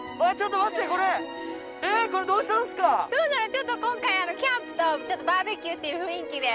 ちょっと今回キャンプとバーベキューっていう雰囲気で。